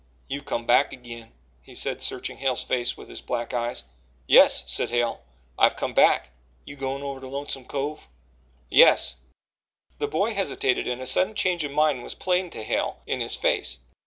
"You've come back agin," he said, searching Hale's face with his black eyes. "Yes," said Hale, "I've come back again." "You goin' over to Lonesome Cove?" "Yes." The boy hesitated, and a sudden change of mind was plain to Hale in his face.